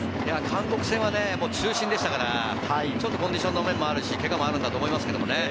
韓国戦は中心でしたからコンディションの面もあるし、けがもあるんだと思いますけどね。